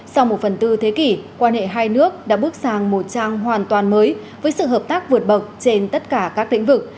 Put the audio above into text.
sau một phần tư thế kỷ quan hệ hai nước đã bước sang một trang hoàn toàn mới với sự hợp tác vượt bậc trên tất cả các lĩnh vực